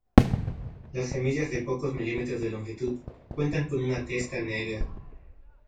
Las semillas de pocos milímetros de longitud cuentan con una testa negra.